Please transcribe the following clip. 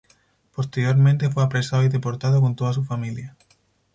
Posteriormente fue apresado y deportado con toda su familia.